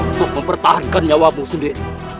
untuk mempertahankan nyawamu sendiri